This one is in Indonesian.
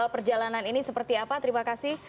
perjalanan ini seperti apa terima kasih